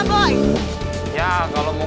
bukan gini mas